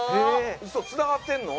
うそつながってんの！？